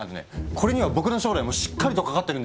これには僕の将来もしっかりとかかってるんですよ。